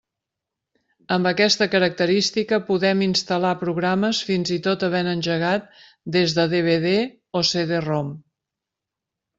Amb aquesta característica podem instal·lar programes fins i tot havent engegat des de DVD o CD-ROM.